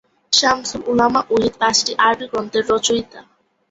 শামসুল উলামা ওহীদ পাঁচটি আরবি গ্রন্থের রচয়িতা।